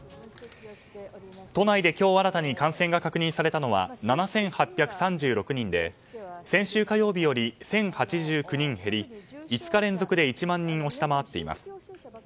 都内で今日新たに感染が確認されたのは７８３６人で先週火曜日より１０８９人減り５日連続で１万人を下回っています。